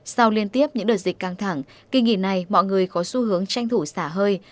sau liên tiếp những đợt dịch căng thẳng kỳ nghỉ này mọi người có xu hướng tranh thủ xả hơi